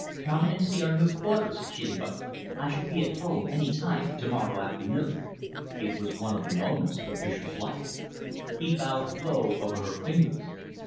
"Come and see our new quarters," she invited. "I shall be at home any time to morrow afternoon." It was one of the moments of Fischer's life. He bowed low over her fingers.